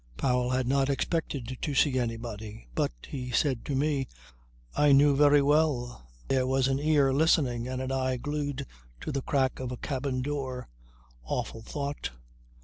Powell had not expected to see anybody. "But," he said to me, "I knew very well there was an ear listening and an eye glued to the crack of a cabin door. Awful thought.